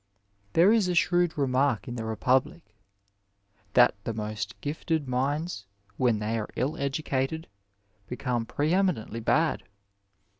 There is a shrewd remark in the Republic *'that the most gifted minds, when they are ill educated, become pre eminentlj bad.